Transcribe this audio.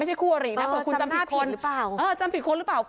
ไม่ใช่คู่เหรียะจำหน้าผิดหรือเปล่า